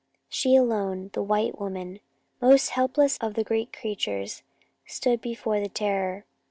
She alone, the white woman, most helpless of the great creatures, stood before the terror.